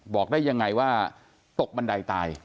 บอกได้ยังไงว่าตกบันไดตาย